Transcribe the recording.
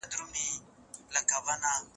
امکانات تل ستاسو په لاس کي دي.